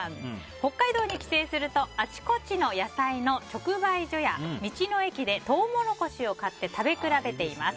北海道に帰省するとあちこちの野菜の直売所や道の駅でトウモロコシを買って食べ比べています。